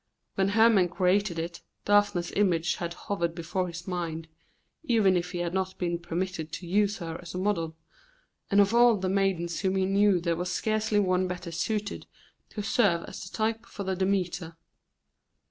When Hermon created it, Daphne's image had hovered before his mind, even if he had not been permitted to use her as a model, and of all the maidens whom he knew there was scarcely one better suited to serve as the type for the Demeter.